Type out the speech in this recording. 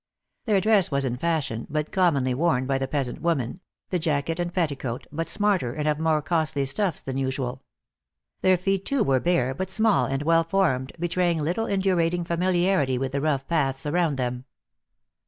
Their dress was in fashion, but commonly worn by the peasant women the jacket and petticoat but smarter, and of more costly stuffs than usual. Their feet, too, were bare, but small and well formed, be 218 THE ACTRESS IN HIGH LIFE. traying little indurating familiarity with the rough paths around them.